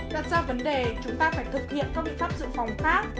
đặt ra vấn đề chúng ta phải thực hiện các biện pháp dựng